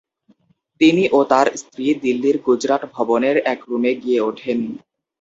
তিনি ও তার স্ত্রী দিল্লির গুজরাট ভবনের এক রুমে গিয়ে ওঠেন।